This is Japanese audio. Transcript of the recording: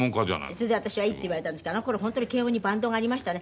それで私はいいって言われたんですけどあの頃本当に慶應にバンドがありましたね。